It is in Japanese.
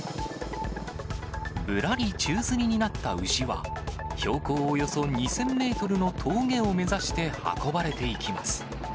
ぶらり宙づりになった牛は、標高およそ２０００メートルの峠を目指して運ばれていきます。